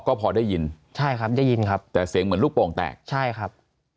ก็พอได้ยินใช่ครับได้ยินครับแต่เสียงเหมือนลูกโป่งแตกใช่ครับ